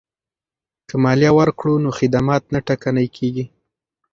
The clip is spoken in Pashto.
که مالیه ورکړو نو خدمات نه ټکنی کیږي.